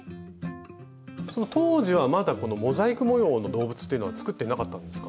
その当時はまだモザイク模様の動物というのは作っていなかったんですか？